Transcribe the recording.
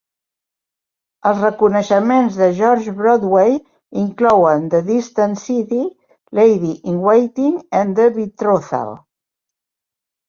Els reconeixements de George Broadway inclouen "The Distant City", "Lady in Waiting" i "The Betrothal".